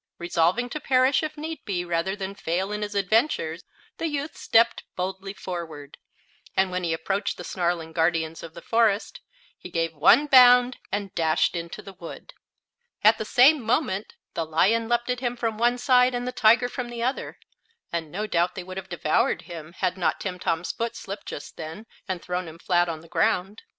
Resolving to perish, if need be, rather than fail in his adventure, the youth stepped boldly forward, and when he approached the snarling guardians of the forest he gave one bound and dashed into the wood. At the same moment the lion leaped at him from one side and the tiger from the other, and no doubt they would have devoured him had not Timtom's foot slipped just then and thrown him flat on the ground.